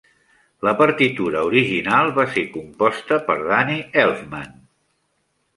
La partitura original va ser composta per Danny Elfman.